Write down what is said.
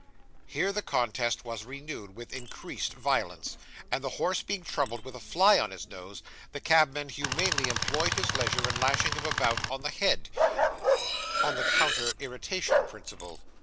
Here the contest was renewed with increased violence; and the horse being troubled with a fly on his nose, the cabman humanely employed his leisure in lashing him about on the head, on the counter irritation principle.